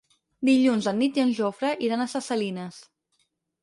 Dilluns en Mirt i en Jofre iran a Ses Salines.